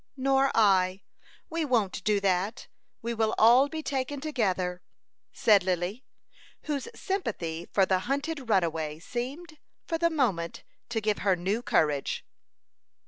"Nor I; we won't do that. We will all be taken together," said Lily, whose sympathy for the hunted runaway seemed, for the moment, to give her new courage.